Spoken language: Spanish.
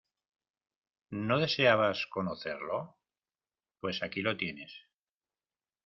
¿No deseabas conocerlo? pues aquí lo tienes.